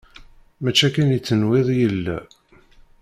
Mačči akken i tenwiḍ i yella.